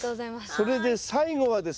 それで最後はですね